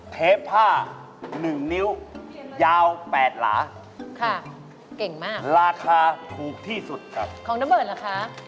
เทปผ้า๑นิ้วยาว๘หลาราคาถูกที่สุดของนับเบิร์ดล่ะคะ